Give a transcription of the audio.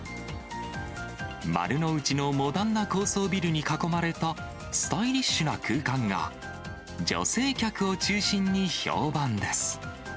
丸の内のモダンな高層ビルに囲まれたスタイリッシュな空間が、女性客を中心に評判です。